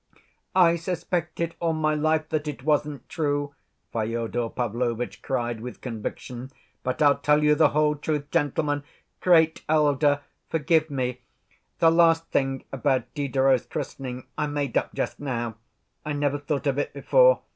"I suspected all my life that it wasn't true," Fyodor Pavlovitch cried with conviction. "But I'll tell you the whole truth, gentlemen. Great elder! Forgive me, the last thing about Diderot's christening I made up just now. I never thought of it before.